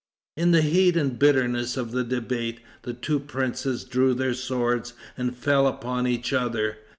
In the heat and bitterness of the debate, the two princes drew their swords and fell upon each other.